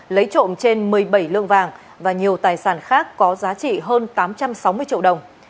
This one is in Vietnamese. lấy trộm trên một mươi bảy lương vàng và nhiều tài sản khác có giá trị hơn tám trăm sáu mươi triệu đồng